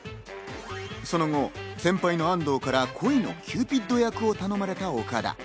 その後、先輩の安藤から恋のキューピッド役を頼まれた岡田。